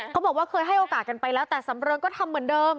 บอกว่าเคยให้โอกาสกันไปแล้วแต่สำเริงก็ทำเหมือนเดิม